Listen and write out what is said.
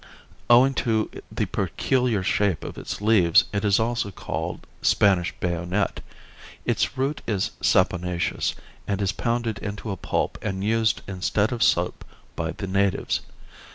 Owing to the peculiar shape of its leaves it is also called Spanish bayonet. Its root is saponaceous, and is pounded into a pulp and used instead of soap by the natives.